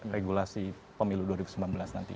regulasi pemilu dua ribu sembilan belas nanti